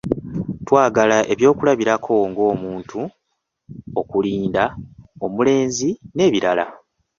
Twalaga ebyokulabirako nga omuntu, okulinda, omulenzi n'ebirala.